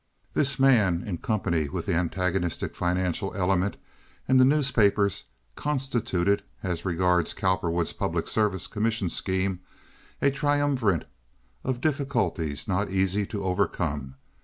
This man, in company with the antagonistic financial element and the newspapers, constituted, as regards Cowperwood's public service commission scheme, a triumvirate of difficulties not easy to overcome.